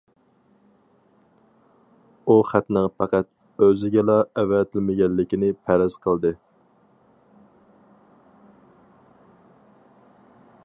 ئۇ خەتنىڭ پەقەت ئۆزىگىلا ئەۋەتىلمىگەنلىكىنى پەرەز قىلدى.